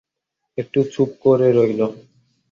একটু চুপ করে রইল।